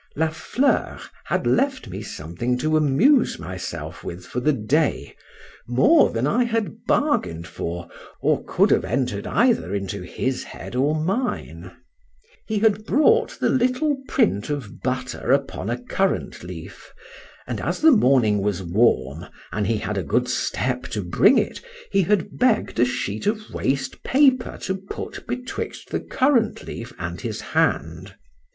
LA FLEUR had left me something to amuse myself with for the day more than I had bargain'd for, or could have enter'd either into his head or mine. He had brought the little print of butter upon a currant leaf: and as the morning was warm, and he had a good step to bring it, he had begg'd a sheet of waste paper to put betwixt the currant leaf and his hand.